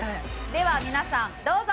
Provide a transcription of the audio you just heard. では皆さんどうぞ！